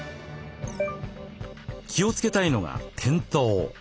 気をつけたいのが転倒。